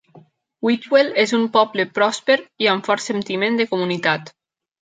Whitwell és un poble pròsper i amb fort sentiment de comunitat.